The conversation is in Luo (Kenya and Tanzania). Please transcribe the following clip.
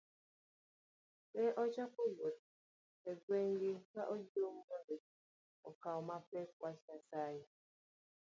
Ne ochako wuotho e gweng'gi ka ojiwo ji mondo okaw mapek wach Nyasaye